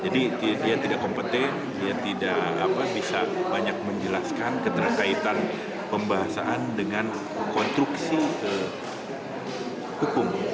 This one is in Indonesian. dia tidak bisa banyak menjelaskan keterkaitan pembahasan dengan konstruksi hukum